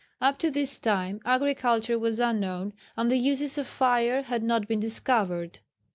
Up to this time agriculture was unknown, and the uses of fire had not been discovered.